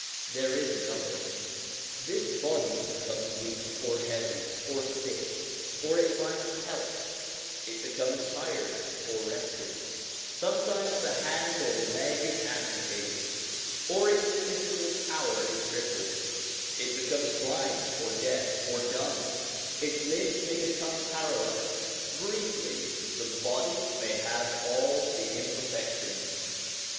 There is another : this body becomes weak, or heavy, or sick, or it finds health ; it becomes tired or rested ; sometimes the hand or leg is amputated, or its physical power is crippled ; it becomes blind or deaf or dumb ; its limbs may become paralysed; briefly, the body may have all the imperfections.